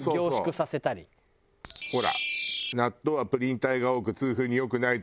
ほら。